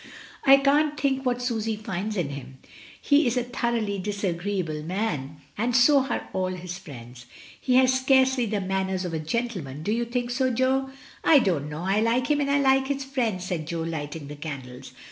"I can't think what Susy finds in him. He is a thoroughly disagreeable man, and so are all his friends. He has scarcely the manners of a gentleman; do you think so, Jo?" "I don't know; I like him and I like his friends," said Jo, lighting the candles.